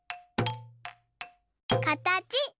かたち。